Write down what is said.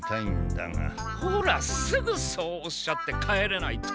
ほらすぐそうおっしゃって帰れないと。